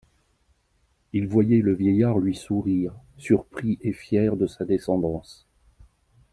Il voyait le vieillard lui sourire, surpris et fier de sa descendance.